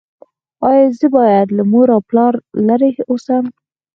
ایا زه باید له مور او پلار لرې اوسم؟